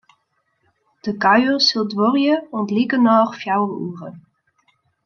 De kuier sil duorje oant likernôch fjouwer oere.